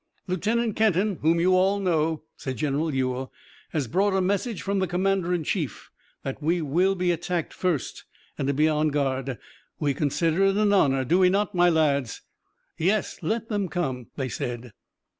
"Lieutenant Kenton, whom you all know," said General Ewell, "has brought a message from the commander in chief that we will be attacked first, and to be on guard. We consider it an honor, do we not, my lads?" "Yes, let them come," they said.